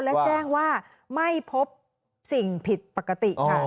และแจ้งว่าไม่พบสิ่งผิดปกติค่ะ